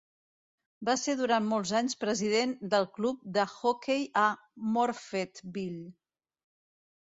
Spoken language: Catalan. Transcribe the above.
Va ser durant molts anys president del club de joquei a Morphettville.